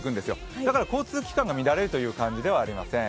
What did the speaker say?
だから交通機関が乱れるという感じではありません。